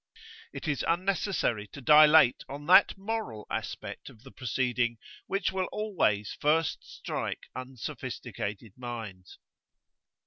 It is unnecessary to dilate on that moral aspect of the proceeding which will always first strike unsophisticated minds.